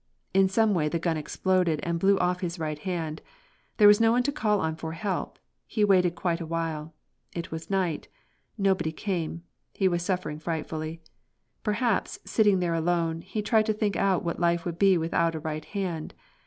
In some way the gun exploded and blew off his right hand. There was no one to call on for help. He waited quite a while. It was night. Nobody came; he was suffering frightfully. Perhaps, sitting there alone, he tried to think out what life would be without a right hand.